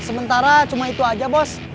sementara cuma itu aja bos